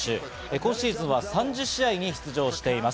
今シーズンは３０試合に出場しています。